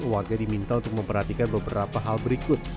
warga diminta untuk memperhatikan beberapa hal berikut